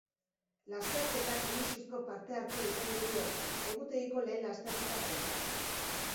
Lasterketak luxuzko parte hartzea izango du aurten egutegiko lehen lasterketa baita.